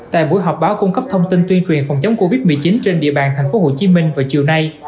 tại buổi họp báo cung cấp thông tin tuyên truyền phòng chống covid một mươi chín trên địa bàn tp hcm vào chiều nay